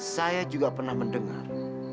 saya juga pernah mendengar